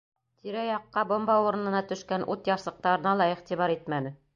Тирә-яҡҡа бомба урынына төшкән ут ярсыҡтарына ла иғтибар итмәне.